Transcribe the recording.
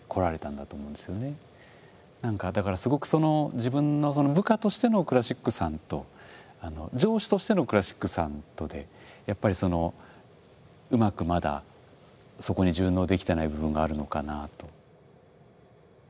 何かだからすごくその自分の部下としてのクラシックさんと上司としてのクラシックさんとでやっぱりうまくまだそこに順応できてない部分があるのかなあと。